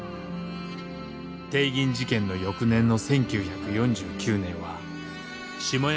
帝銀事件の翌年の１９４９年は下山